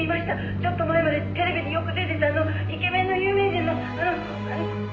「ちょっと前までテレビによく出てたあのイケメンの有名人のあのあの」